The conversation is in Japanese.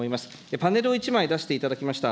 パネルを１枚出していただきました。